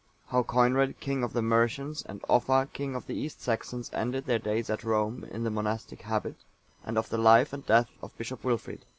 How Coinred, king of the Mercians, and Offa, king of the East Saxons, ended their days at Rome, in the monastic habit; and of the life and death of Bishop Wilfrid.